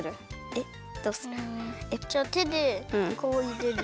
えっ？じゃあてでこういれる。